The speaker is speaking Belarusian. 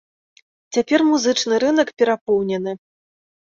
Цяпер музычны рынак перапоўнены.